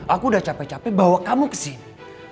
aku udah capek capek bawa kamu kesini